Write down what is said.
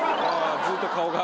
ずっと顔が。